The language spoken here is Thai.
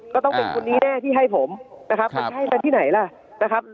ก็ต้องเป็นคนนี้แน่ที่ให้ผมนะครับมันจะให้กันที่ไหนล่ะนะครับ